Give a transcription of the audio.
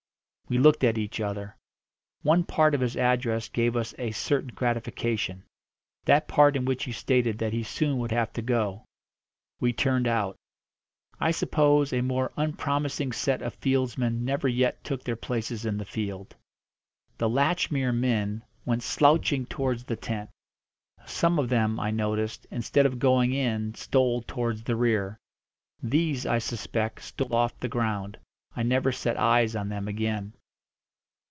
We looked at each other. One part of his address gave us a certain gratification that part in which he stated that he soon would have to go. We turned out. I suppose a more unpromising set of fieldsmen never yet took their places in the field. The Latchmere men went slouching towards the tent; some of them, I noticed, instead of going in stole towards the rear. These, I suspect, stole off the ground; I never set eyes on them again.